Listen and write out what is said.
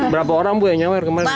berapa orang bu yang nyawer kemarin